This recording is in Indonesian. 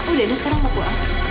udah udah sekarang mau pulang